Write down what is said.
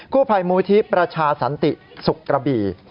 คู่ภัยมูธิประชาสันติสุขกระบี่